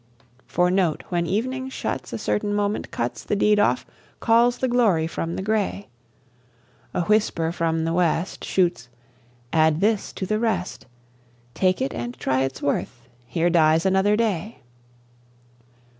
For note, when evening shuts, A certain moment cuts The deed off, calls the glory from the gray: A whisper from the west Shoots "Add this to the rest, Take it and try its worth: here dies another day."